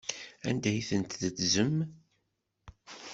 Anda ay tent-teddzem?